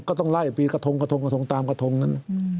ก็ต้องไล่ไปกระทงกระทงตามกระทงนั้น